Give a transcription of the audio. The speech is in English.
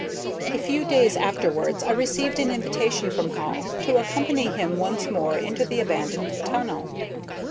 A few days afterwards I received an invitation from Hall to accompany him once more into the abandoned tunnel.